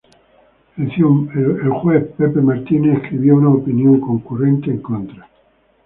El juez Tom Clark escribió una opinión concurrente en contra.